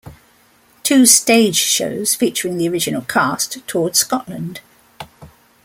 Two stage shows, featuring the original cast, toured Scotland.